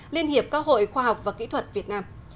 liên hiệp các hội khoa học và kỹ thuật việt nam